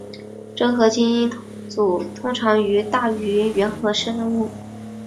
真核基因组通常大于原核生物。